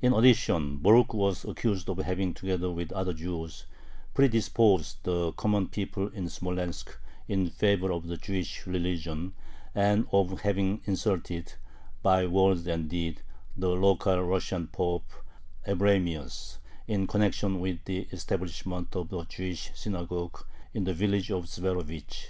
In addition, Borukh was accused of having, "together with other Jews," predisposed the common people in Smolensk in favor of the Jewish religion, and of having insulted, by word and deed, the local Russian Pope Abramius, in connection with the establishment of a Jewish synagogue in the village of Zverovich.